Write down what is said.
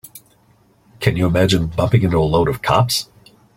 Can you imagine bumping into a load of cops?